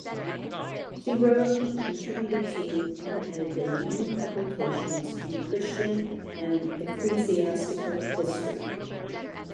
He wrote, contributed to, and edited, many publications in Christian and Ecclesiastical history.